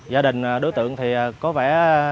gia đình đối tượng thì có vẻ